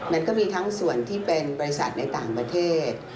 มันก็มีทั้งส่วนที่เป็นบริษัทในต่างประเทศ